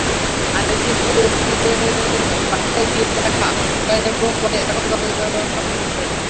আইভী নিজেই রশিদের বাসায় গিয়ে দেখা করেন এবং পরে একাই গণসংযোগ করেন।